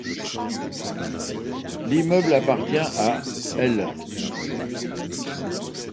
L'immeuble appartient à l'.